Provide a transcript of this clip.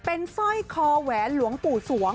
เป็นสร้อยคอแหวนหลวงปู่สวง